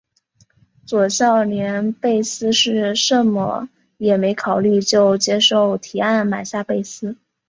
佐孝连贝斯是甚么也没考虑就接受提案买下贝斯。